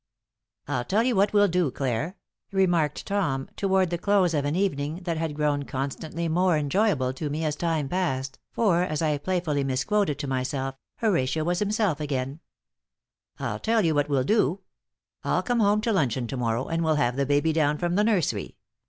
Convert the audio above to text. "I'll tell you what we'll do, Clare," remarked Tom, toward the close of an evening that had grown constantly more enjoyable to me as time passed, for, as I playfully misquoted to myself, Horatio was himself again, "I'll tell you what we'll do. I'll come home to luncheon to morrow and we'll have the baby down from the nursery.